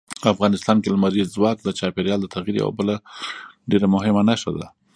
افغانستان کې لمریز ځواک د چاپېریال د تغیر یوه بله ډېره مهمه نښه ده.